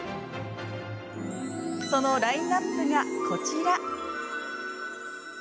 そのラインナップがこちら。